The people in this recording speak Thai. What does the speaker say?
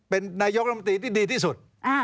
เป็นนายกรมนธรรมนลมวะตรีที่ดีที่สุด